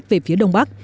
về phía đông bắc